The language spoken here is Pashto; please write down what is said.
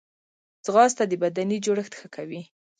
ځغاسته د بدني جوړښت ښه کوي